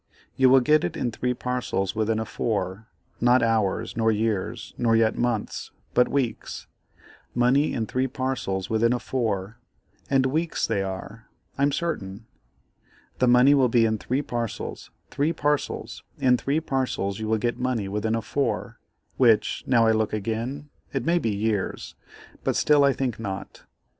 You will get it in three parcels within a 4, not hours, nor years, nor yet months, but weeks; money in three parcels within a 4, and weeks they are, I'm certain. The money will be in three parcels—three parcels; in three parcels you will get money within a 4, which, now I look again, it may be years, but still I think not.